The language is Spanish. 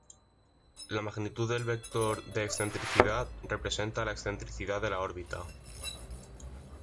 La magnitud del vector de excentricidad representa la excentricidad de la órbita.